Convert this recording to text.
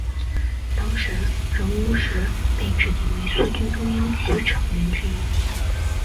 当时任弼时被指定为苏区中央局成员之一。